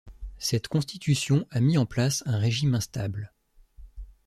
Cette Constitution a mis en place un régime instable.